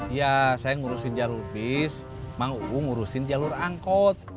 iya saya ngurusin jalur bis emang ibu ngurusin jalur angkot